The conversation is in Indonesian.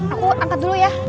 aku angkat dulu ya